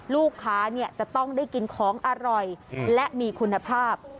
ลูกค้าจะต้องได้กินของอร่อยและมีคุณภาพ